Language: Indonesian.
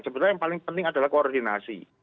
sebenarnya yang paling penting adalah koordinasi